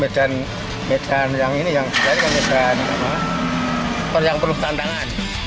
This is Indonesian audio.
medan medan yang ini yang terjadi kan medan apa yang perlu tantangan